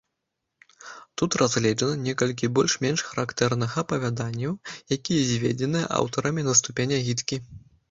Тут разгледжана некалькі больш-менш характэрных апавяданняў, якія зведзены аўтарамі на ступень агіткі.